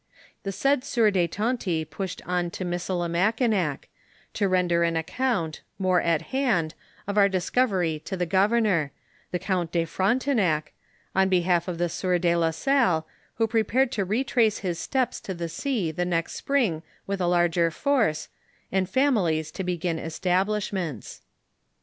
The said sieur de Tonty pushed on to Missilimakinac, to render an ac count, more at hand, of our discovery to the governor, the count de Frontenac, on behalf of the sieur de la Salle, who prepared to retrace his steps to the sea the next spring with a larger force, and families to begin establishments.